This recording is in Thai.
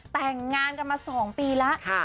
แต่งงานกันมา๒ปีแล้ว